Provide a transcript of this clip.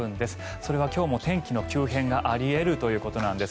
それは今日も天気の急変があり得るということなんです。